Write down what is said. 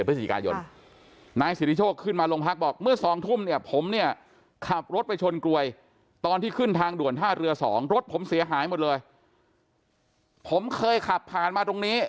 ประมาณ๔ทุ่มครึ่ง